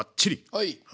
はい！